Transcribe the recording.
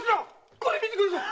これ見てください。